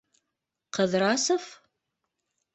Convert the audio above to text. Ҡыҙрасов?!